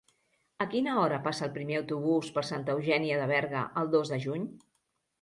A quina hora passa el primer autobús per Santa Eugènia de Berga el dos de juny?